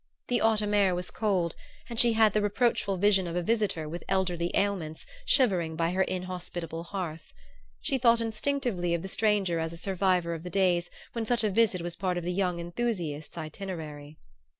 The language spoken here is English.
The autumn air was cold and she had the reproachful vision of a visitor with elderly ailments shivering by her inhospitable hearth. She thought instinctively of the stranger as a survivor of the days when such a visit was a part of the young enthusiast's itinerary.